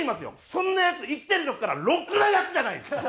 そんなヤツ生きてる時からろくなヤツじゃないです。